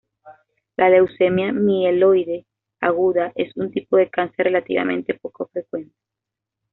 La leucemia mieloide aguda es un tipo de cáncer relativamente poco frecuente.